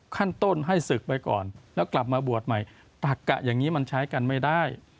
ขั้นต้นให้ศึกไปก่อนแล้วกลับมาบวชใหม่ตักกะอย่างนี้มันใช้กันไม่ได้